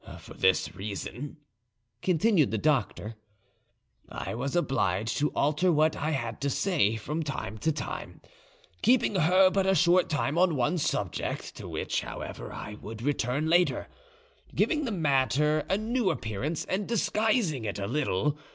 For this reason," continued the doctor, "I was obliged to alter what I had to say from time to time, keeping her but a short time to one subject, to which, however, I would return later, giving the matter a new appearance and disguising it a little.